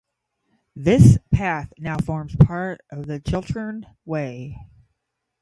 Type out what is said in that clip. This path now forms part of the Chiltern Way.